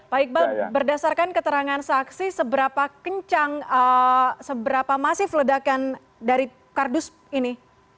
pak iqbal berdasarkan keterangan saksi seberapa masif ledakan dari kardus ini